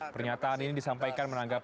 pernyataan ini disampaikan menanggapkan